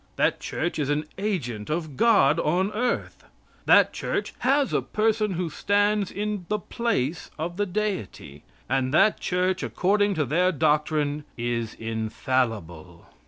That Church is an agent of God on earth. That Church has a person who stands in the place of Deity; and that Church, according to their doctrine, is infallible.